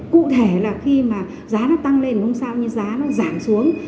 cụ thể là khi mà giá nó tăng lên không sao giá nó giảm xuống